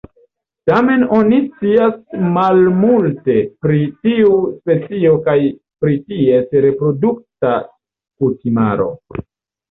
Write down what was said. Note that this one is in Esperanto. Tamen oni scias malmulte pri tiu specio kaj pri ties reprodukta kutimaro.